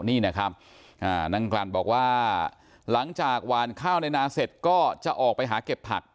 นี่นะครับนางกลั่นบอกว่าหลังจากหวานข้าวในนาเสร็จก็จะออกไปหาเก็บผัก